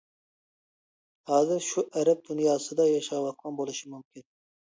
ھازىر شۇ ئەرەب دۇنياسىدا ياشاۋاتقان بولۇشى مۇمكىن.